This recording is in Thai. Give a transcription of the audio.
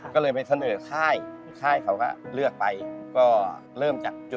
ก็เลยไปธนเนอร์ค่าย